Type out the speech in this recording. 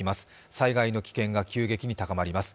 災害の危険が急激に高まります。